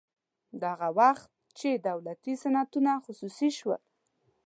دا هغه وخت چې دولتي صنعتونه خصوصي شول